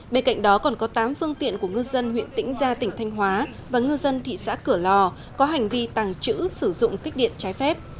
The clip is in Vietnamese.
bên cạnh đó còn có tám phương tiện của ngư dân huyện tĩnh gia tỉnh thanh hóa và ngư dân thị xã cửa lò có hành vi tàng trữ sử dụng kích điện trái phép